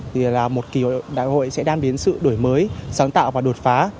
thì là một kỳ đại hội sẽ đam biến sự đổi mới sáng tạo và đột phá